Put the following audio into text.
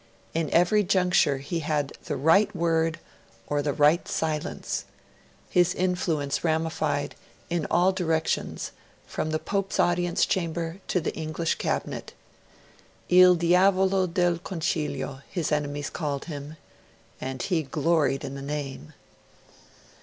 In every juncture he had the right word, or the right silence; his influence ramified in all directions, from the Pope's audience chamber to the English Cabinet. 'Il Diavolo del Concilio' his enemies called him; and he gloried in the name.